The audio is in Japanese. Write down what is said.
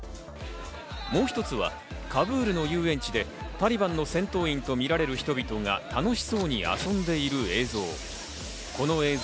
もう１つはカブールの遊園地でタリバンの戦闘員とみられる人々が楽しそうに遊んでいる映像。